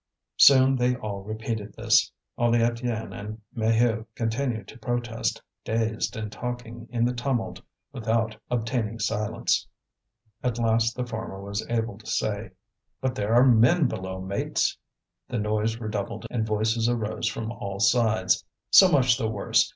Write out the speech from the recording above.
Soon they all repeated this; only Étienne and Maheu continued to protest, dazed, and talking in the tumult without obtaining silence. At last the former was able to say: "But there are men below, mates!" The noise redoubled and voices arose from all sides: "So much the worse!